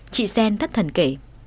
chị sen thất thần kể